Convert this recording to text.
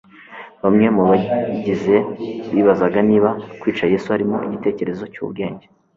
Bamwe mu bayigize bibazaga niba kwica Yesu harimo igitekerezo cy'ubwenge.